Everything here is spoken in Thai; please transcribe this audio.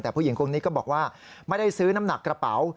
แต่ผู้หญิงคนนี้ก็บอกว่าไม่ได้ซื้อน้ำหนักกระเป๋า